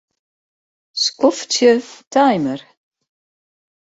Skoftsje timer.